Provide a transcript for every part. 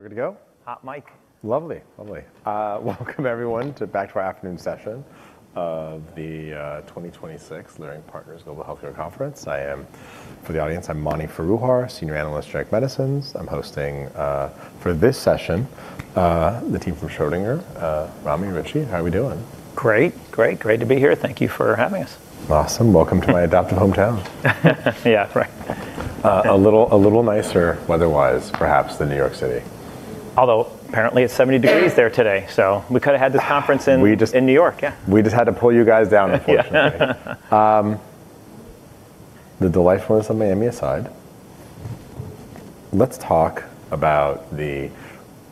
Good to go? Hot mic. Lovely. Welcome everyone back to our afternoon session of the 2026 Leerink Partners Global Healthcare Conference. For the audience, I'm Mani Foroohar, Senior Analyst at Leerink Partners. I'm hosting for this session the team from Schrödinger. Ramy, Richie, how are we doing? Great to be here. Thank you for having us. Awesome. Welcome to my adopted hometown. Yeah, right. A little nicer weather-wise, perhaps, than New York City. Although, apparently, it's 70 degrees there today, so we could have had this conference in New York. We just had to pull you guys down, unfortunately. Yeah. The delightfulness of Miami aside, let's talk about the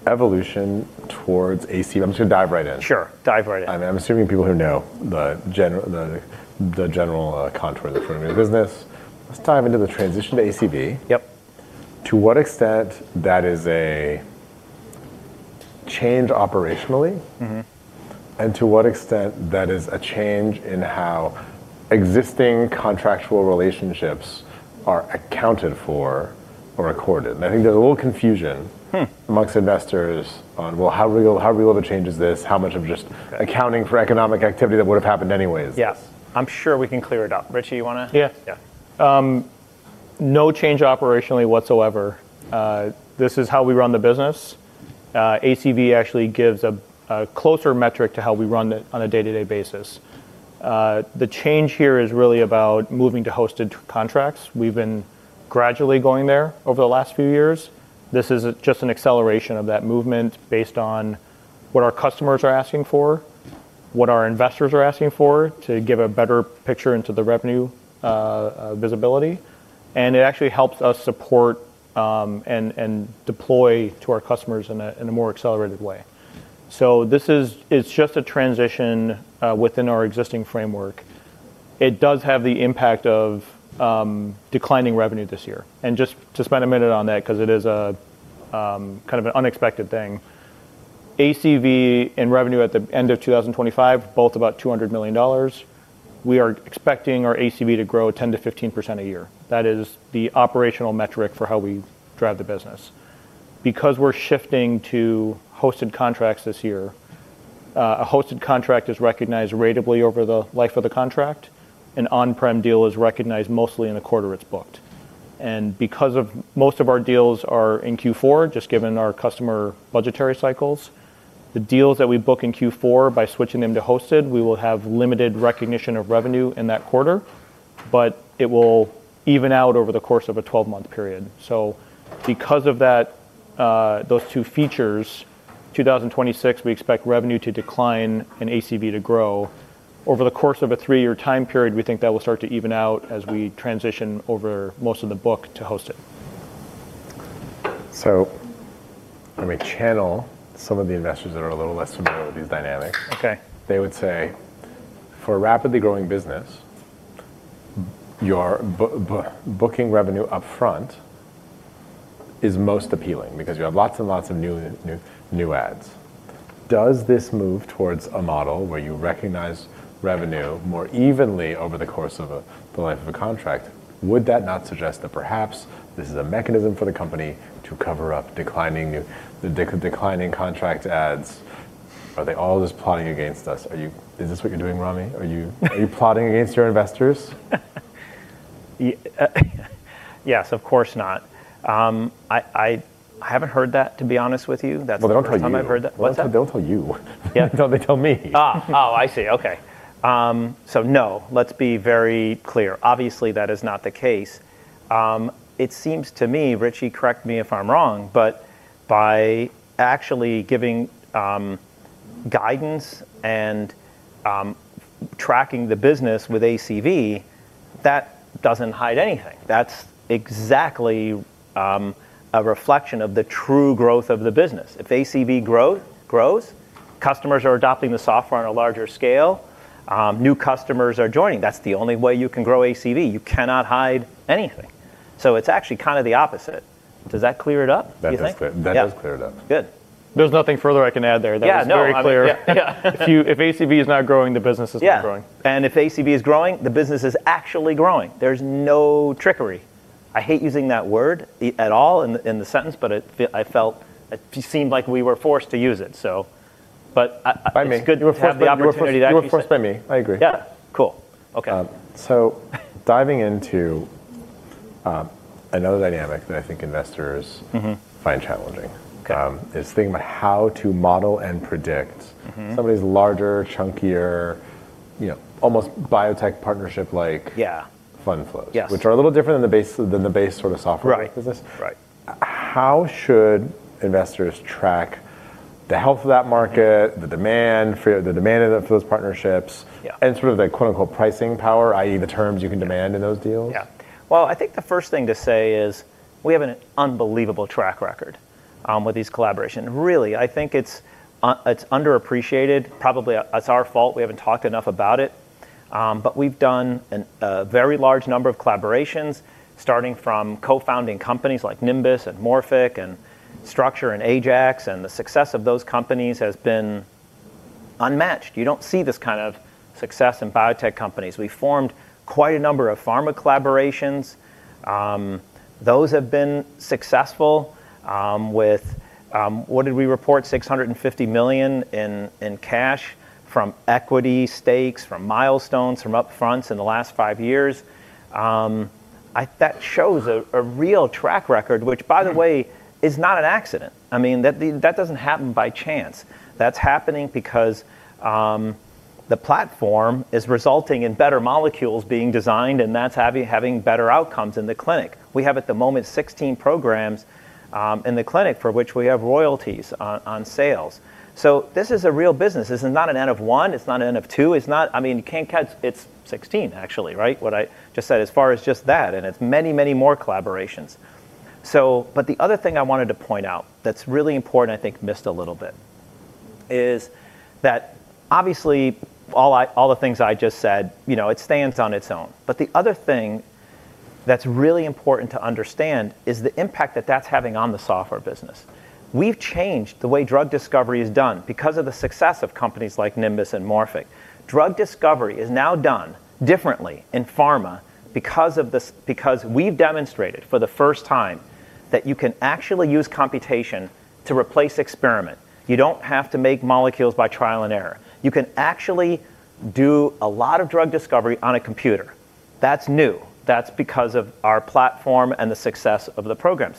evolution towards ACV. I'm just gonna dive right in. Sure. Dive right in. I'm assuming people here know the general contour of the primary business. Let's dive into the transition to ACV. To what extent that is a change operationally? To what extent that is a change in how existing contractual relationships are accounted for or recorded. I think there's a little confusion among investors on, well, how real of a change is this? How much of just accounting for economic activity that would have happened anyways? Yes. I'm sure we can clear it up. Richie, you wanna- Yeah. No change operationally whatsoever. This is how we run the business. ACV actually gives a closer metric to how we run it on a day-to-day basis. The change here is really about moving to hosted contracts. We've been gradually going there over the last few years. This is just an acceleration of that movement based on what our customers are asking for, what our investors are asking for, to give a better picture into the revenue visibility. It actually helps us support and deploy to our customers in a more accelerated way. This is. It's just a transition within our existing framework. It does have the impact of declining revenue this year. Just to spend a minute on that 'cause it is a kind of an unexpected thing. ACV and revenue at the end of 2025, both about $200 million. We are expecting our ACV to grow 10%-15% a year. That is the operational metric for how we drive the business. Because we're shifting to hosted contracts this year, a hosted contract is recognized ratably over the life of the contract. An on-prem deal is recognized mostly in the quarter it's booked. Because most of our deals are in Q4, just given our customer budgetary cycles, the deals that we book in Q4, by switching them to hosted, we will have limited recognition of revenue in that quarter, but it will even out over the course of a 12 month period. Because of that, those two features, 2026, we expect revenue to decline and ACV to grow. Over the course of a three-year time period, we think that will start to even out as we transition over most of the book to hosted. Let me channel some of the investors that are a little less familiar with these dynamics. Okay. They would say, for a rapidly growing business, your booking revenue upfront is most appealing because you have lots and lots of new ACVs. Does this move towards a model where you recognize revenue more evenly over the course of the life of a contract? Would that not suggest that perhaps this is a mechanism for the company to cover up declining new contract ACVs? Are they all just plotting against us? Is this what you're doing, Ramy? Are you plotting against your investors? Yes, of course not. I haven't heard that, to be honest with you. Well, they don't tell you. First time I've heard that. What's that? They don't tell you. Yeah. No, they tell me. No. Let's be very clear. Obviously, that is not the case. It seems to me, Richie, correct me if I'm wrong, but by actually giving guidance and tracking the business with ACV, that doesn't hide anything. That's exactly a reflection of the true growth of the business. If ACV grows, customers are adopting the software on a larger scale, new customers are joining. That's the only way you can grow ACV. You cannot hide anything. It's actually kinda the opposite. Does that clear it up, do you think? That does clear it up. Good. There's nothing further I can add there. That was very clear. If ACV is not growing, the business is not growing. Yeah. If ACV is growing, the business is actually growing. There's no trickery. I hate using that word at all in the sentence, but I felt it just seemed like we were forced to use it. I mean. It's good to have the opportunity to actually say. You were forced by me. I agree. Yeah. Cool. Okay. Diving into another dynamic that I think investors find challenging is thinking about how to model and predict somebody's larger, chunkier, you know, almost biotech partnership like fund flows. Yes. Which are a little different than the base sort of software-like business. Right. Right. How should investors track the health of that market, the demand of those partnerships? Yeah Sort of the quote-unquote "pricing power," i.e., the terms you can demand in those deals? Yeah. Well, I think the first thing to say is we have an unbelievable track record with these collaborations. Really, I think it's underappreciated. Probably, it's our fault. We haven't talked enough about it. We've done a very large number of collaborations, starting from co-founding companies like Nimbus and Morphic and Structure and Ajax, and the success of those companies has been unmatched. You don't see this kind of success in biotech companies. We formed quite a number of pharma collaborations. Those have been successful. What did we report? $650 million in cash from equity stakes, from milestones, from upfronts in the last five years. That shows a real track record, which by the way is not an accident. I mean, that doesn't happen by chance. That's happening because the platform is resulting in better molecules being designed, and that's having better outcomes in the clinic. We have at the moment 16 programs in the clinic for which we have royalties on sales. This is a real business. This is not an N of one. It's not an N of two. I mean, you can't count. It's 16 actually, right? What I just said as far as just that, and it's many, many more collaborations. The other thing I wanted to point out that's really important, I think missed a little bit, is that obviously all the things I just said, you know, it stands on its own. The other thing that's really important to understand is the impact that that's having on the software business. We've changed the way drug discovery is done because of the success of companies like Nimbus and Morphic. Drug discovery is now done differently in pharma because of this, because we've demonstrated for the first time that you can actually use computation to replace experiment. You don't have to make molecules by trial and error. You can actually do a lot of drug discovery on a computer. That's new. That's because of our platform and the success of the program.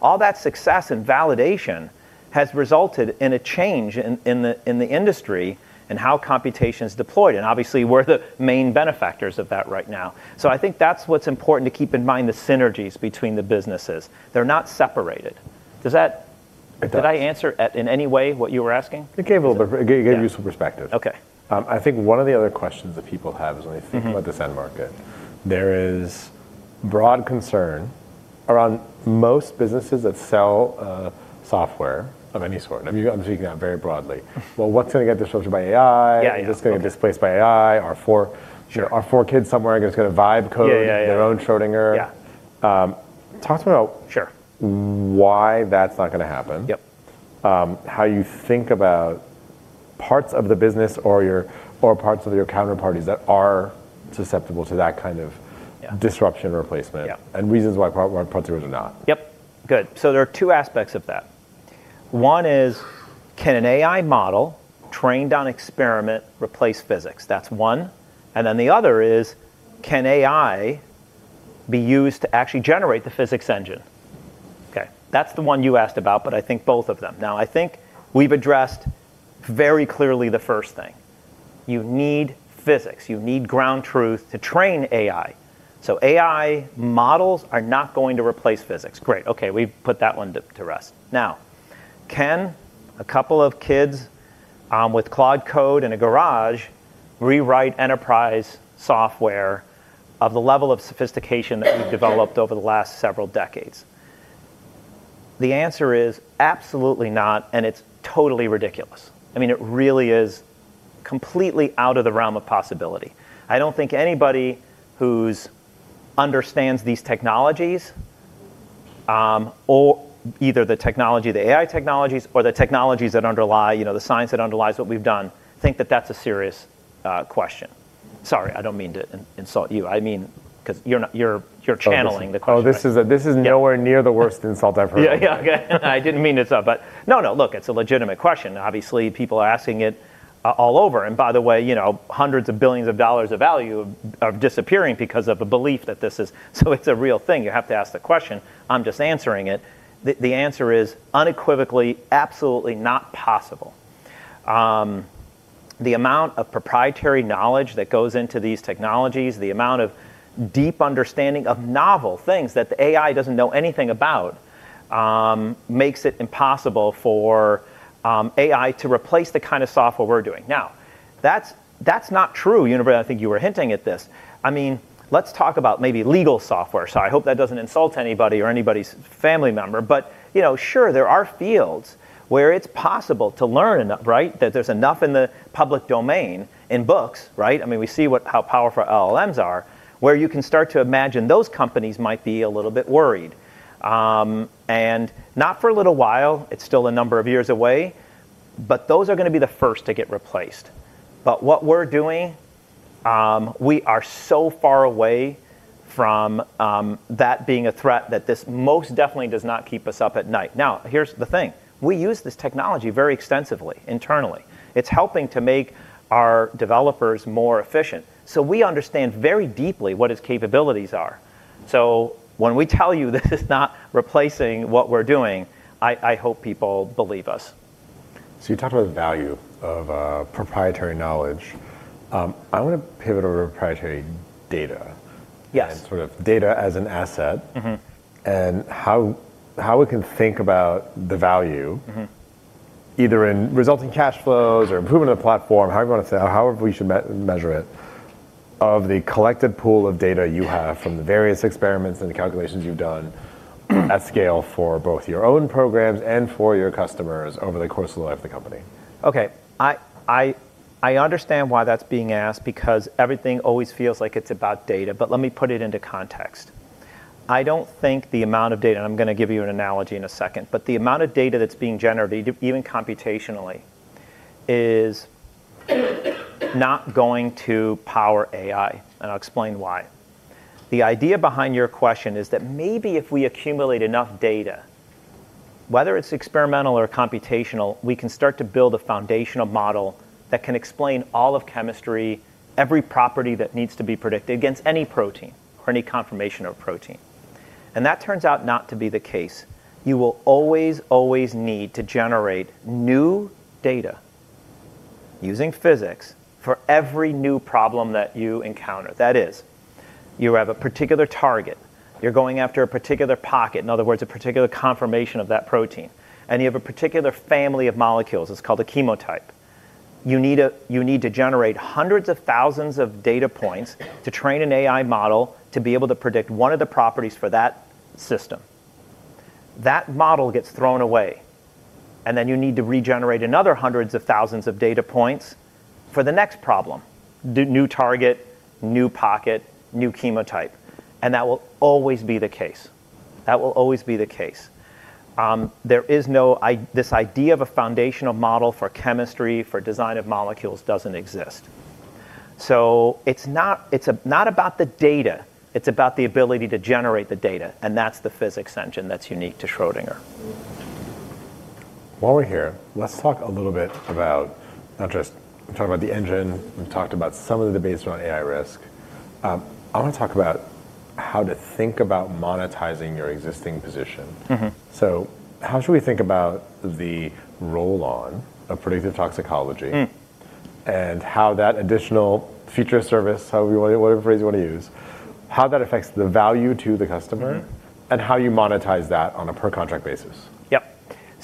All that success and validation has resulted in a change in the industry and how computation is deployed. Obviously we're the main beneficiaries of that right now. I think that's what's important to keep in mind, the synergies between the businesses. They're not separated. Does that? It does. Did I answer, in any way, what you were asking? It gave useful perspective. Okay. I think one of the other questions that people have is when they think. About this end market, there is broad concern around most businesses that sell software of any sort. I mean, I'm speaking about very broadly. Well, what's gonna get disrupted by AI? Yeah, yeah. Is this gonna get displaced by AI? Sure. Are four kids somewhere just gonna vibe coding? Yeah, yeah. Their own Schrödinger? Yeah. Talk to me about why that's not gonna happen. Yep. How you think about parts of the business or parts of your counterparties that are susceptible to that kind of disruption or replacement and reasons why parts of it are not. Yep. Good. There are two aspects of that. One is, can an AI model trained on experiment replace physics? That's one. The other is, can AI be used to actually generate the physics engine? Okay, that's the one you asked about, but I think both of them. Now, I think we've addressed very clearly the first thing. You need physics. You need ground truth to train AI. AI models are not going to replace physics. Great. Okay, we've put that one to rest. Now, can a couple of kids with cloud code in a garage rewrite enterprise software of the level of sophistication that we've developed over the last several decades? The answer is absolutely not, and it's totally ridiculous. I mean, it really is completely out of the realm of possibility. I don't think anybody who's understands these technologies, or the AI technologies or the technologies that underlie, you know, the science that underlies what we've done, think that that's a serious question. Sorry, I don't mean to insult you. I mean, 'cause you're not. You're channeling the question. Oh, this is nowhere near the worst insult I've heard. Yeah, yeah. Good. I didn't mean to insult, but. No, no. Look, it's a legitimate question. Obviously, people are asking it all over. By the way, you know, $hundreds of billions of value are disappearing because of a belief that this is. It's a real thing. You have to ask the question. I'm just answering it. The answer is unequivocally, absolutely not possible. The amount of proprietary knowledge that goes into these technologies, the amount of deep understanding of novel things that the AI doesn't know anything about, makes it impossible for AI to replace the kind of software we're doing. Now, that's not true. You know, but I think you were hinting at this. I mean, let's talk about maybe legal software. I hope that doesn't insult anybody or anybody's family member. You know, sure, there are fields where it's possible to learn, right? That there's enough in the public domain in books, right? I mean, we see what, how powerful LLMs are, where you can start to imagine those companies might be a little bit worried. Not for a little while, it's still a number of years away, but those are gonna be the first to get replaced. What we're doing, we are so far away from, that being a threat that this most definitely does not keep us up at night. Now, here's the thing. We use this technology very extensively internally. It's helping to make our developers more efficient. We understand very deeply what its capabilities are. When we tell you this is not replacing what we're doing, I hope people believe us. You talked about the value of proprietary knowledge. I wanna pivot over to proprietary data sort of data as an asset. How we can think about the value either in resulting cash flows or improvement of the platform, however you wanna say, however we should measure it, of the collected pool of data you have from the various experiments and the calculations you've done at scale for both your own programs and for your customers over the course of the life of the company. Okay. I understand why that's being asked because everything always feels like it's about data, but let me put it into context. I don't think the amount of data, and I'm gonna give you an analogy in a second, but the amount of data that's being generated, even computationally, is not going to power AI, and I'll explain why. The idea behind your question is that maybe if we accumulate enough data, whether it's experimental or computational, we can start to build a foundational model that can explain all of chemistry, every property that needs to be predicted against any protein or any confirmation of protein. That turns out not to be the case. You will always need to generate new data using physics for every new problem that you encounter. That is, you have a particular target, you're going after a particular pocket, in other words, a particular confirmation of that protein, and you have a particular family of molecules, it's called a chemotype. You need to generate hundreds of thousands of data points to train an AI model to be able to predict one of the properties for that system. That model gets thrown away, and then you need to regenerate another hundreds of thousands of data points for the next problem. New target, new pocket, new chemotype, and that will always be the case. This idea of a foundational model for chemistry, for design of molecules doesn't exist. It's not about the data, it's about the ability to generate the data, and that's the physics engine that's unique to Schrödinger. While we're here, let's talk a little bit about not just talk about the engine, we've talked about some of the debates around AI risk. I wanna talk about how to think about monetizing your existing position. How should we think about the rollout of predictive toxicology? How that additional future service, however you, whatever phrase you wanna use, how that affects the value to the customer. How you monetize that on a per contract basis.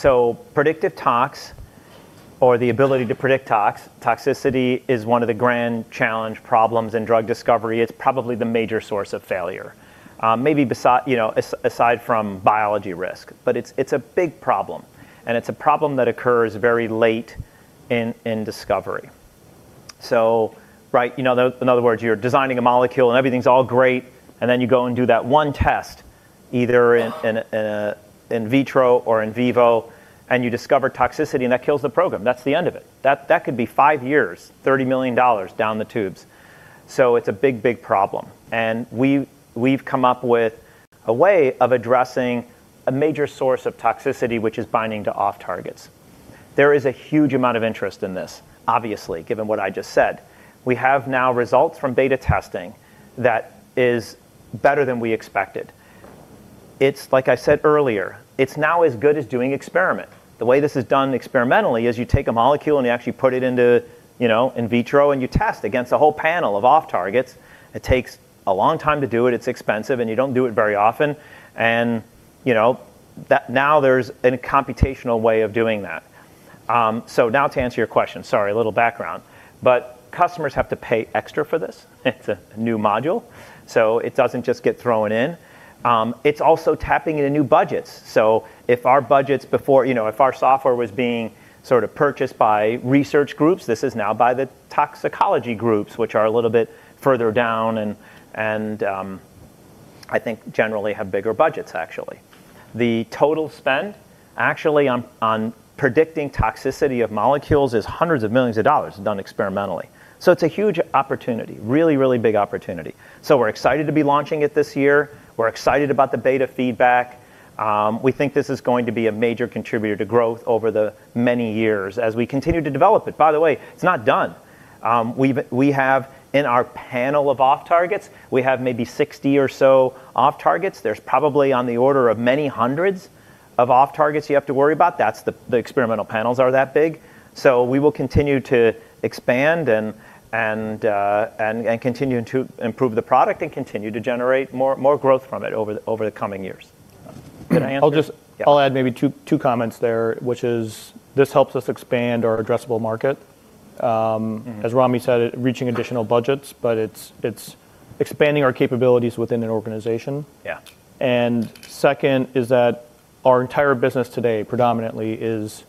Yep. Predictive toxicology, or the ability to predict toxicity, is one of the grand challenge problems in drug discovery. It's probably the major source of failure, maybe, you know, aside from biology risk. It's a big problem, and it's a problem that occurs very late in discovery. Right, you know, in other words, you're designing a molecule and everything's all great, and then you go and do that one test, either in vitro or in vivo, and you discover toxicity, and that kills the program. That's the end of it. That could be five years, $30 million down the tubes. It's a big problem. We've come up with a way of addressing a major source of toxicity, which is binding to off-targets. There is a huge amount of interest in this, obviously, given what I just said. We have now results from beta testing that is better than we expected. It's like I said earlier, it's now as good as doing experiment. The way this is done experimentally is you take a molecule and you actually put it into, you know, in vitro, and you test against a whole panel of off-targets. It takes a long time to do it's expensive, and you don't do it very often. You know, now there's a computational way of doing that. Now to answer your question, sorry, a little background. Customers have to pay extra for this. It's a new module, so it doesn't just get thrown in. It's also tapping into new budgets. If our budgets before, you know, if our software was being sort of purchased by research groups, this is now by the toxicology groups, which are a little bit further down and I think generally have bigger budgets, actually. The total spend actually on predicting toxicity of molecules is $hundreds of millions done experimentally. It's a huge opportunity. Really, really big opportunity. We're excited to be launching it this year. We're excited about the beta feedback. We think this is going to be a major contributor to growth over the many years as we continue to develop it. By the way, it's not done. We have in our panel of off-targets, we have maybe 60 or so off-targets. There's probably on the order of many hundreds of off-targets you have to worry about. That's the experimental panels are that big. We will continue to expand and continue to improve the product and continue to generate more growth from it over the coming years. Can I answer? Yeah. I'll add maybe two comments there, which is this helps us expand our addressable market. As Ramy said, reaching additional budgets, but it's expanding our capabilities within an organization. Yeah. Second is that our entire business today predominantly is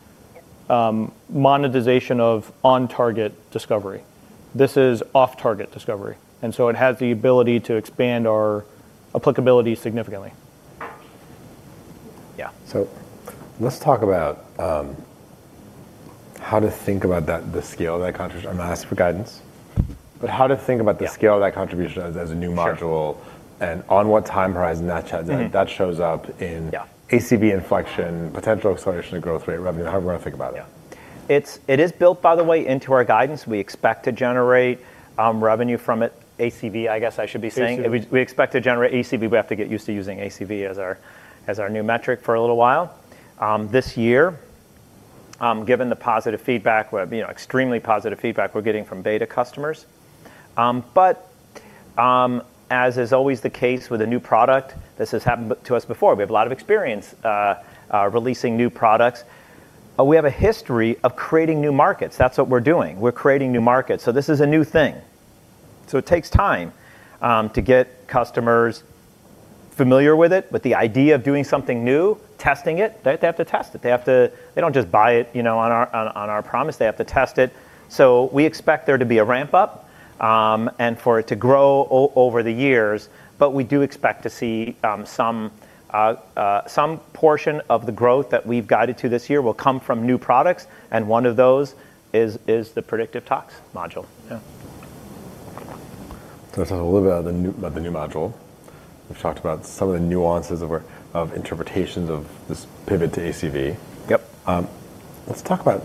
monetization of on-target discovery. This is off-target discovery, and so it has the ability to expand our applicability significantly. Yeah. Let's talk about how to think about that, the scale of that contribution. I'm gonna ask for guidance, how to think about the scale of that contribution as a new module. On what time horizon that shows up in ACV inflection, potential acceleration of growth rate, revenue, however you wanna think about it. Yeah. It is built, by the way, into our guidance. We expect to generate revenue from it. ACV, I guess I should be saying. ACV. We expect to generate ACV. We have to get used to using ACV as our new metric for a little while. This year, given the positive feedback, well, you know, extremely positive feedback we're getting from beta customers. As is always the case with a new product, this has happened to us before. We have a lot of experience releasing new products. We have a history of creating new markets. That's what we're doing. We're creating new markets. This is a new thing. It takes time to get customers familiar with it, with the idea of doing something new, testing it. They have to test it. They don't just buy it, you know, on our promise. They have to test it. We expect there to be a ramp up. For it to grow over the years, but we do expect to see some portion of the growth that we've guided to this year will come from new products, and one of those is the predictive toxicology module. Yeah. Let's talk a little bit about the new module. We've talked about some of the nuances of interpretations of this pivot to ACV. Yep. Let's talk about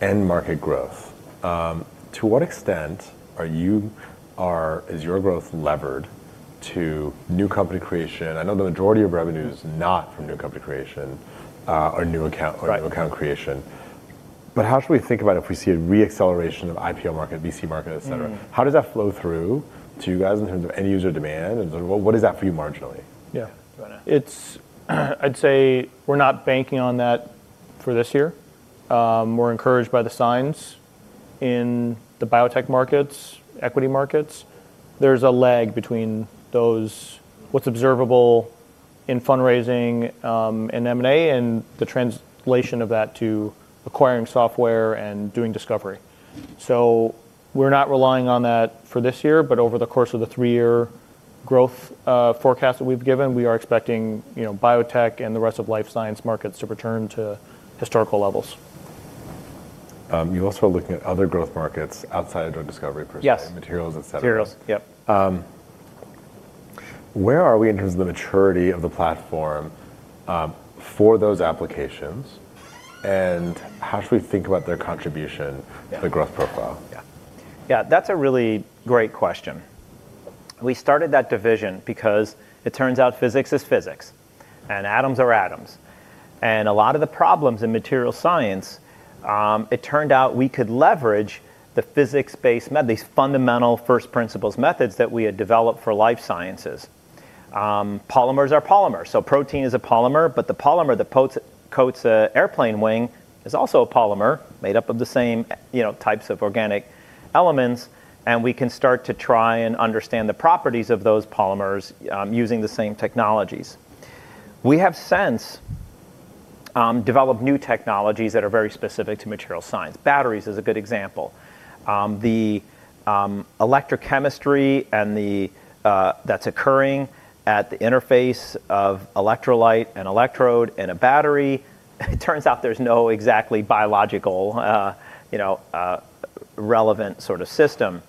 end market growth. To what extent is your growth levered to new company creation? I know the majority of revenue is not from new company creation, or new account or new account creation. How should we think about if we see a re-acceleration of IPO market, VC market, etc.? How does that flow through to you guys in terms of end user demand, and what is that for you marginally? Yeah. Do you wanna? I'd say we're not banking on that for this year. We're encouraged by the signs in the biotech markets, equity markets. There's a lag between those, what's observable in fundraising, and M&A, and the translation of that to acquiring software and doing discovery. We're not relying on that for this year, but over the course of the three-year growth forecast that we've given, we are expecting, you know, biotech and the rest of life science markets to return to historical levels. You're also looking at other growth markets outside of drug discovery, for example materials, et cetera. Materials. Yep. Where are we in terms of the maturity of the platform for those applications, and how should we think about their contribution to the growth profile? Yeah. Yeah. That's a really great question. We started that division because it turns out physics is physics, and atoms are atoms. A lot of the problems in materials science, it turned out we could leverage the physics-based these fundamental first principles methods that we had developed for life sciences. Polymers are polymers, so protein is a polymer, but the polymer that coats an airplane wing is also a polymer made up of the same, you know, types of organic elements, and we can start to try and understand the properties of those polymers, using the same technologies. We have since developed new technologies that are very specific to materials science. Batteries is a good example. The electrochemistry and that's occurring at the interface of electrolyte and electrode in a battery, it turns out there's not exactly biological, you know, relevant sort of system.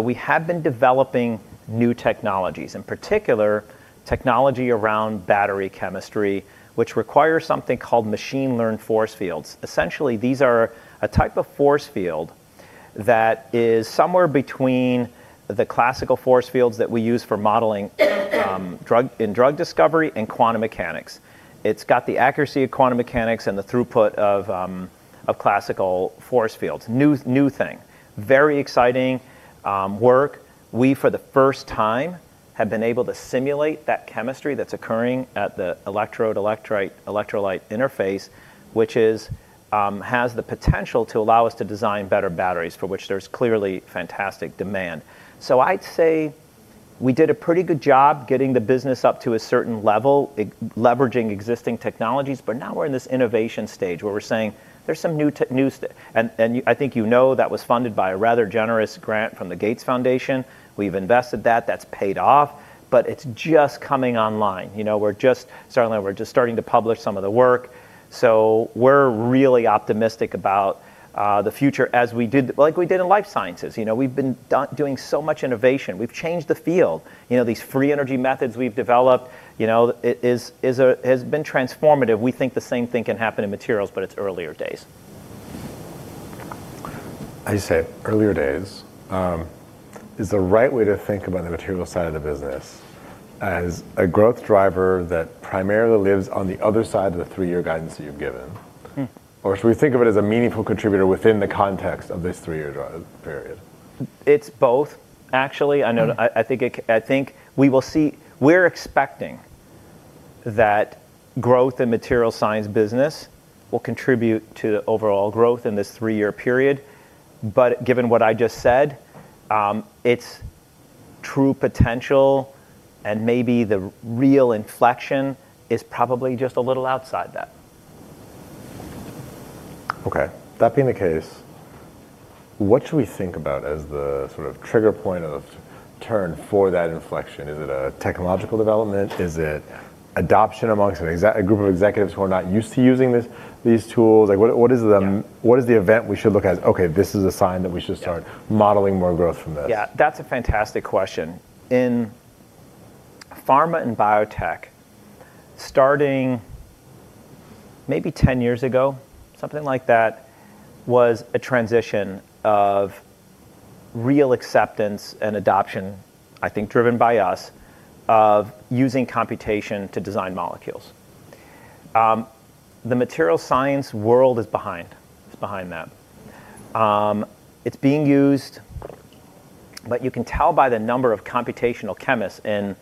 We have been developing new technologies, in particular, technology around battery chemistry, which requires something called machine-learned force fields. Essentially, these are a type of force field that is somewhere between the classical force fields that we use for modeling drug discovery and quantum mechanics. It's got the accuracy of quantum mechanics and the throughput of a classical force field. New thing. Very exciting work. We, for the first time, have been able to simulate that chemistry that's occurring at the electrode-electrolyte interface, which has the potential to allow us to design better batteries for which there's clearly fantastic demand. I'd say we did a pretty good job getting the business up to a certain level, leveraging existing technologies, but now we're in this innovation stage where we're saying there's some new. I think you know that was funded by a rather generous grant from the Gates Foundation. We've invested that. That's paid off. It's just coming online. You know, we're just starting to publish some of the work. We're really optimistic about the future as we did, like we did in life sciences. You know, we've been doing so much innovation. We've changed the field. You know, these free energy methods we've developed, you know, has been transformative. We think the same thing can happen in materials, but it's earlier days. As you said earlier, is the right way to think about the material side of the business as a growth driver that primarily lives on the other side of the three-year guidance that you've given. Should we think of it as a meaningful contributor within the context of this three-year period? It's both, actually. I think we will see. We're expecting that growth in materials science business will contribute to overall growth in this three-year period, but given what I just said, it's true potential and maybe the real inflection is probably just a little outside that. Okay. That being the case, what should we think about as the sort of trigger point of turn for that inflection? Is it a technological development? Is it adoption amongst a group of executives who are not used to using this, these tools? Like, what is the- Yeah. Okay, this is a sign that we should start. Yeah. Modeling more growth from this? Yeah. That's a fantastic question. In pharma and biotech, starting maybe 10 years ago, something like that, was a transition of real acceptance and adoption, I think driven by us, of using computation to design molecules. The materials science world is behind. It's behind that. It's being used, but you can tell by the number of computational chemists in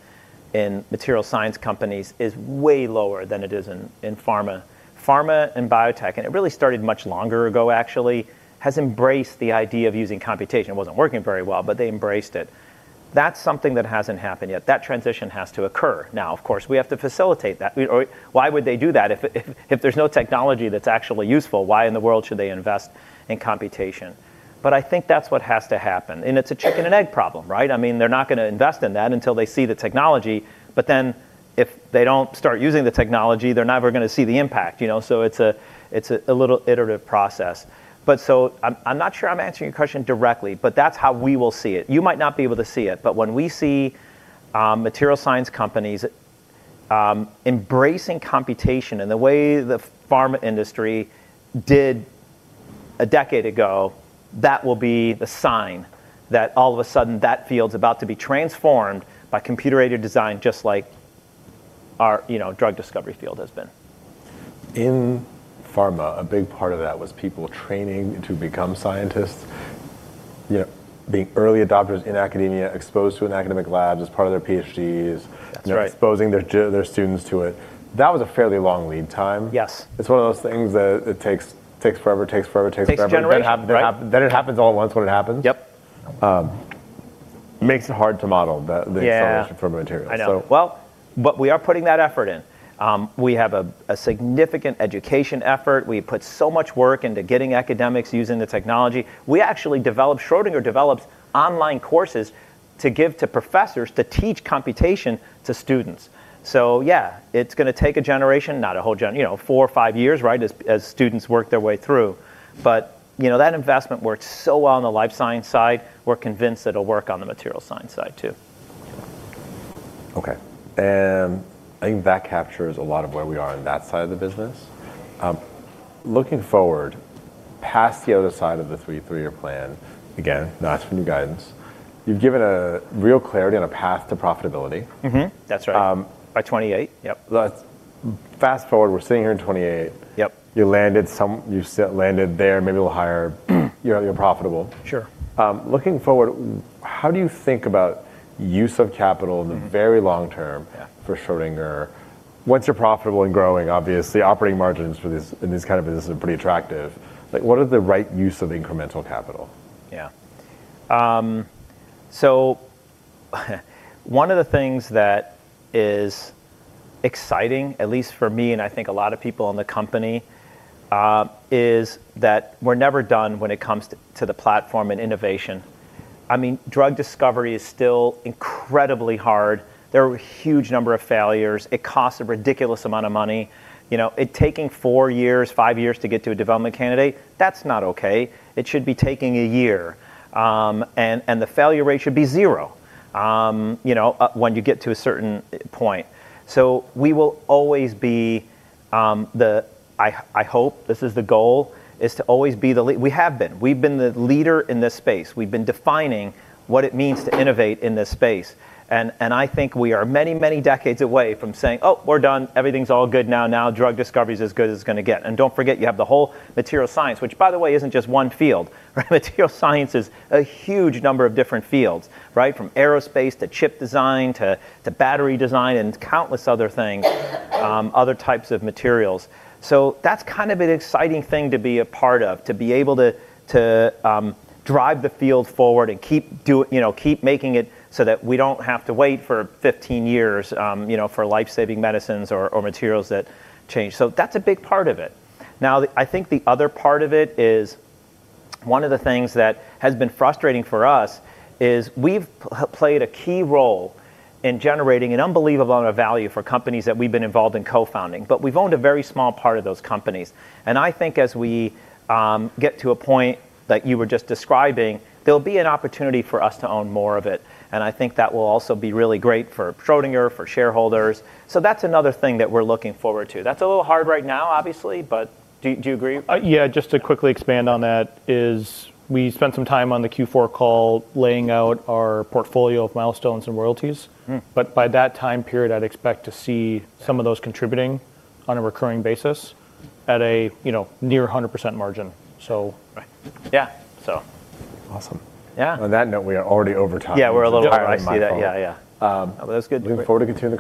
materials science companies is way lower than it is in pharma. Pharma and biotech, and it really started much longer ago actually, has embraced the idea of using computation. It wasn't working very well, but they embraced it. That's something that hasn't happened yet. That transition has to occur. Now, of course, we have to facilitate that. Or why would they do that if there's no technology that's actually useful? Why in the world should they invest in computation? I think that's what has to happen. It's a chicken and egg problem, right? I mean, they're not gonna invest in that until they see the technology, but then if they don't start using the technology, they're never gonna see the impact, you know. It's a little iterative process. I'm not sure I'm answering your question directly, but that's how we will see it. You might not be able to see it, but when we see materials science companies embracing computation in the way the pharma industry did a decade ago, that will be the sign that all of a sudden that field's about to be transformed by computer-aided design just like our, you know, drug discovery field has been. In pharma, a big part of that was people training to become scientists, you know, being early adopters in academia, exposed to an academic lab as part of their PhDs. That's right. Exposing their students to it. That was a fairly long lead time. Yes. It's one of those things that it takes forever. Takes generations, right. It happens all at once when it happens. Yep. Makes it hard to model the solution for materials. I know. Well, we are putting that effort in. We have a significant education effort. We put so much work into getting academics using the technology. Schrödinger developed online courses to give to professors to teach computation to students. Yeah, it's gonna take a generation, you know, four or five years, right, as students work their way through. You know, that investment worked so well on the life sciences side, we're convinced it'll work on the materials science side too. Okay. I think that captures a lot of where we are on that side of the business. Looking forward, past the other side of the three-year plan, again, not asking for guidance, you've given a real clarity on a path to profitability. That's right. By 2028, yep. Let's fast-forward, we're sitting here in 2028. Yep. You still landed there, maybe a little higher. You're profitable. Sure. Looking forward, how do you think about use of capital in the very long term for Schrödinger? Once you're profitable and growing, obviously operating margins for this, in this kind of business are pretty attractive. Like, what is the right use of incremental capital? Yeah. So one of the things that is exciting, at least for me and I think a lot of people in the company, is that we're never done when it comes to the platform and innovation. I mean, drug discovery is still incredibly hard. There are a huge number of failures. It costs a ridiculous amount of money. You know, it taking four years, five years to get to a development candidate, that's not okay. It should be taking a year. The failure rate should be zero, you know, when you get to a certain point. We will always be. I hope this is the goal, is to always be the leader we have been. We've been the leader in this space. We've been defining what it means to innovate in this space. I think we are many, many decades away from saying, "Oh, we're done. Everything's all good now. Now drug discovery is as good as it's gonna get." Don't forget, you have the whole materials science, which by the way, isn't just one field, right? Materials science is a huge number of different fields, right? From aerospace, to chip design, to battery design, and countless other things, other types of materials. That's kind of an exciting thing to be a part of, to be able to drive the field forward and you know, keep making it so that we don't have to wait for 15 years, you know, for life-saving medicines or materials that change. That's a big part of it. Now, I think the other part of it is, one of the things that has been frustrating for us is we've played a key role in generating an unbelievable amount of value for companies that we've been involved in co-founding, but we've owned a very small part of those companies. I think as we get to a point that you were just describing, there'll be an opportunity for us to own more of it. I think that will also be really great for Schrödinger, for shareholders. That's another thing that we're looking forward to. That's a little hard right now, obviously, but do you agree? Yeah, just to quickly expand on that is we spent some time on the Q4 call laying out our portfolio of milestones and royalties. By that time period, I'd expect to see some of those contributing on a recurring basis at a, you know, near 100% margin. Right. Yeah. Awesome. Yeah. On that note, we are already over time. Yeah, we're a little over. Higher than my fault. I see that, yeah. That's good. Looking forward to continuing.